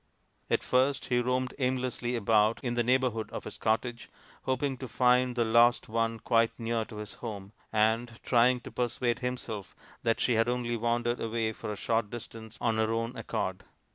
At first he roamed aimlessly about in the neighbourhood of his cottage hoping to find the lost one quite near to his home, and trying to persuade himself that she had only wandered away for a short distance on her own accord.